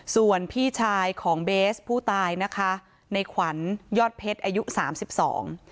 ส่วนพี่ชายของเบสผู้ตายนะคะในขวัญยอดเพชรอายุสามสิบสอง